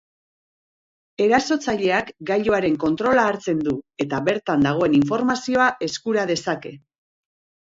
Erasotzaileak gailuaren kontrola hartzen du eta bertan dagoen informazioa eskuratu dezake.